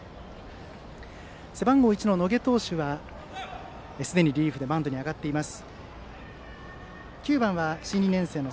背番号１の野下投手はすでにリリーフでマウンドに上がっています。